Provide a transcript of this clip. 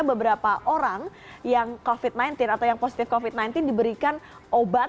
beberapa orang yang covid sembilan belas atau yang positif covid sembilan belas diberikan obat